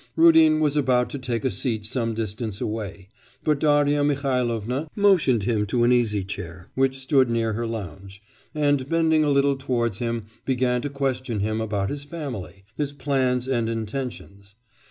Rudin was about to take a seat some distance away; but Darya Mihailovna motioned him to an easy chair, which stood near her lounge, and bending a little towards him began to question him about his family, his plans and intentions.